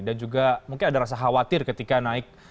dan juga mungkin ada rasa khawatir ketika naik